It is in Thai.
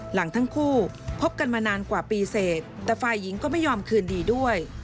หลังทั้งคู่คบกันมานานกว่าปีเสร็จแต่ฝ่ายหญิงก็ไม่ยอมคืนดีด้วย